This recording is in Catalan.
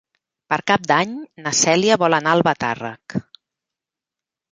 Per Cap d'Any na Cèlia vol anar a Albatàrrec.